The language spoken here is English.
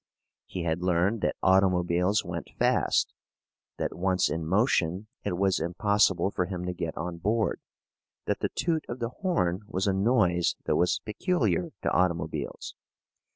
He had learned that automobiles went fast, that once in motion it was impossible for him to get on board, that the toot of the horn was a noise that was peculiar to automobiles.